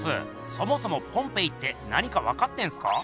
そもそもポンペイって何か分かってんすか？